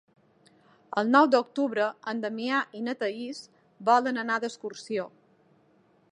El nou d'octubre en Damià i na Thaís volen anar d'excursió.